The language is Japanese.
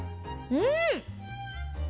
うん！